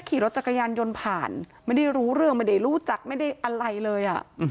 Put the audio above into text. ขี่รถจักรยานยนต์ผ่านไม่ได้รู้เรื่องไม่ได้รู้จักไม่ได้อะไรเลย